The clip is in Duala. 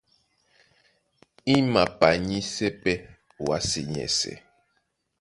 I mapanyísɛ́ pɛ́ wásē nyɛ́sɛ̄.